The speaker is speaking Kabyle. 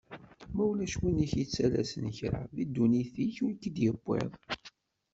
Ma ulac win ik-yettalasen kra, deg dunnit-ik ur k-id-yewwiḍ.